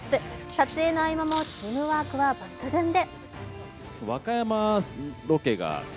撮影の合間もチームワークは抜群で。